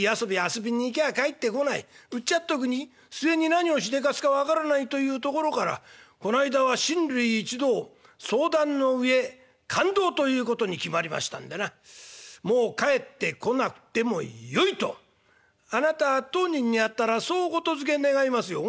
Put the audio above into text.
うっちゃっとくに末に何をしでかすか分からないというところからこないだは親類一同相談の上勘当ということに決まりましたんでなもう帰ってこなくてもよいとあなた当人に会ったらそう言づけ願いますよ」。